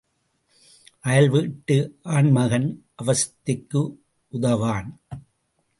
அயல் வீட்டு ஆண்மகன் அவஸ்தைக்கு உதவான்.